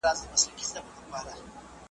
خو خدای دي وکړي چي `